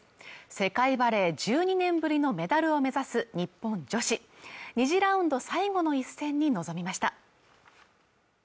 世界バレー１２年ぶりのメダルを目指す日本女子２次ラウンド最後の一戦に臨みました